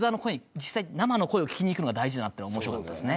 実際生の声を聞きに行くのが大事だなっていうのは面白かったですね。